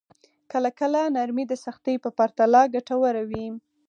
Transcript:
کله کله نرمي د سختۍ په پرتله ګټوره وي.